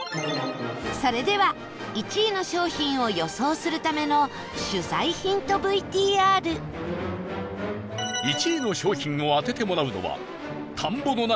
それでは１位の商品を予想するための取材ヒントＶＴＲ１位の商品を当ててもらうのは田んぼの中にある秘境